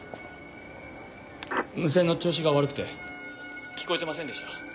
無線の調子が悪くて聞こえてませんでした。